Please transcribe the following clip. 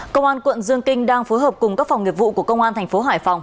công an quận dương kinh đang phối hợp cùng các phòng nghiệp vụ của công an thành phố hải phòng